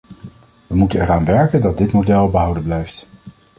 We moeten eraan werken dat dit model behouden blijft.